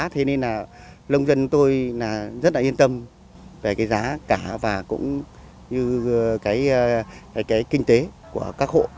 thế nên là lông dân tôi rất là yên tâm về cái giá cả và cũng như cái kinh tế của các hộ